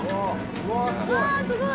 「うわー！すごい！」